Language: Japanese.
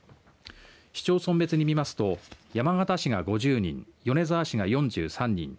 市町村別に見ますと山形市が５０人、米沢市が４３人